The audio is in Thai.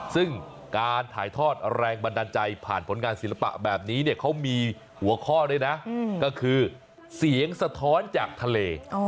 ซึ่งการถ่ายทอดแรงบันดาลใจผ่านผลงานศิลปะแบบนี้เนี่ยเขามีหัวข้อด้วยนะก็คือเสียงสะท้อนจากทะเล